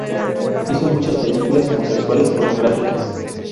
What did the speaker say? Hizo muchas películas homosexuales pornográficas.